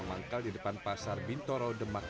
manggal di depan pasar bintoro demak